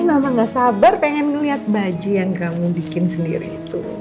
mama gak sabar pengen ngeliat baju yang kamu bikin sendiri itu